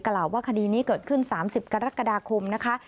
กล่าวว่าคดีนี้เกิดขึ้น๓๐กรกฎาคมนะคะ